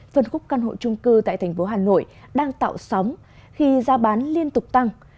phần khúc căn hộ trung cư tại tp hcm đang tạo sóng khi gia bán liên tục tăng